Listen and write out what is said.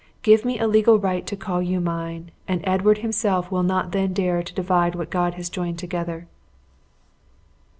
Give me a legal right to call you mine, and Edward himself will not then dare to divide what God has joined together!"